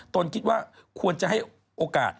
ตนคิดว่าควรจะให้โอกาส